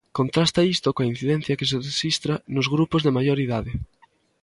Contrasta isto coa incidencia que se rexistra nos grupos de maior idade.